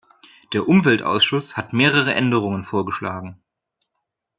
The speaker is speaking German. Der Umweltausschuss hat mehrere Änderungen vorgeschlagen.